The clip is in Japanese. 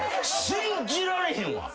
信じられへんわ。